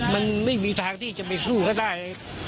มันไม่มีทางที่จะไปสู้ก็ได้